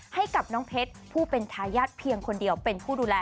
ให้กับน้องเพชรผู้เป็นทายาทเพียงคนเดียวเป็นผู้ดูแล